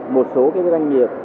một số cái doanh nghiệp